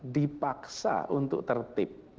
dipaksa untuk tertib